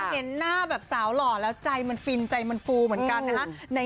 เห็นหน้าแบบสาวหล่อแล้วใจมันฟินใจมันฟูเหมือนกันนะฮะ